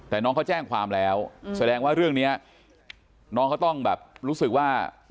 แต่น้องเขาแจ้งความแล้วแสดงว่าเรื่องนี้น้องเขาต้องแบบรู้สึกว่า